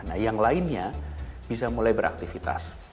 nah yang lainnya bisa mulai beraktivitas